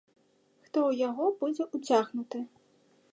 Хто ў яго будзе ўцягнуты?